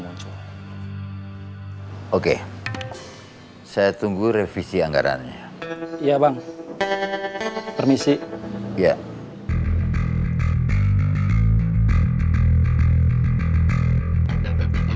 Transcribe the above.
mereka pernah diserang agus sama yayat dua kali